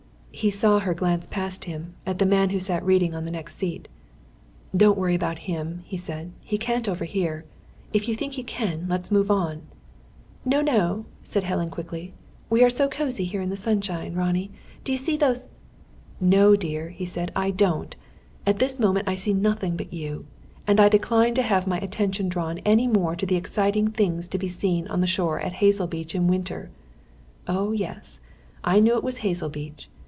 He saw her glance past him, at the man who sat reading on the next seat. "Don't worry about him," he said. "He can't overhear. If you think he can, let's move on." "No, no!" said Helen, quickly. "We are so cosy here in the sunshine. Ronnie, do you see those " "No, dear," he said, "I don't! At this moment I see nothing but you. And I decline to have my attention drawn any more to the exciting things to be seen on the shore at Hazelbeach in winter.... Oh, yes, I knew it was Hazelbeach!